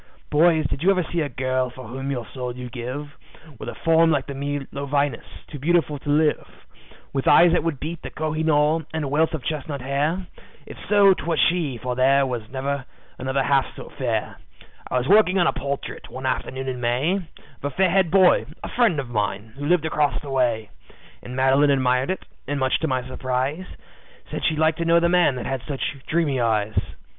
"Boys, did you ever see a girl for whom your soul you'd give, With a form like the Milo Venus, too beautiful to live; With eyes that would beat the Koh i noor, and a wealth of chestnut hair? If so, 'twas she, for there never was another half so fair. "I was working on a portrait, one afternoon in May, Of a fair haired boy, a friend of mine, who lived across the way. And Madeline admired it, and much to my surprise, Said she'd like to know the man that had such dreamy eyes.